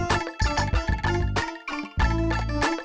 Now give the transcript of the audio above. jika ia datang ke pengantin